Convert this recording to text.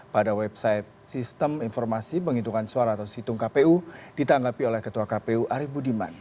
pada website sistem informasi penghitungan suara atau situng kpu ditanggapi oleh ketua kpu arief budiman